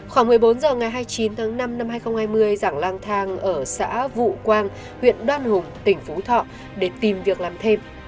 khoảng một mươi bốn h ngày hai mươi chín tháng năm năm hai nghìn hai mươi giảng lang thang ở xã vụ quang huyện đoan hùng tỉnh phú thọ để tìm việc làm thêm